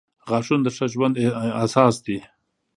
• غاښونه د ښه ژوند اساس دي.